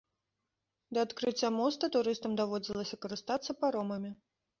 Да адкрыцця моста турыстам даводзілася карыстацца паромамі.